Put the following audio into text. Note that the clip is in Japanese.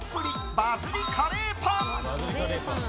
バズりカレーパン。